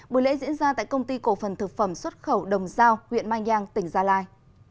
buổi lễ diễn ra tại công ty cổ phần thực phẩm xuất khẩu đồng giao huyện mai giang tỉnh gia lai